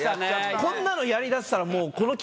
こんなのやりだしたらもう。